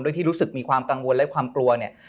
ที่รู้สึกมีความกังวลและความกลัวเนี่ย